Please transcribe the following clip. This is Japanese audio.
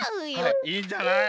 はいいいんじゃない？